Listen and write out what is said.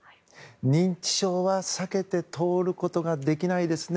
認知症は避けて通ることができないですね。